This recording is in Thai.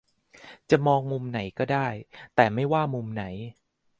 จะมองมุมไหนก็ได้ แต่ไม่ว่ามุมไหน